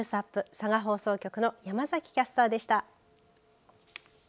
佐賀放送局の山崎キャスターでした。